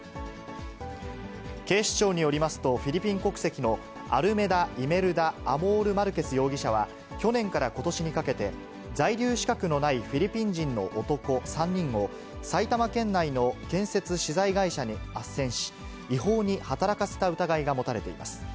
警視庁によりますと、フィリピン国籍のアルメダ・イルメダ・アモール・マルケス容疑者は去年からことしにかけて、在留資格のないフィリピン人の男３人を、埼玉県内の建設資材会社にあっせんし、違法に働かせた疑いが持たれています。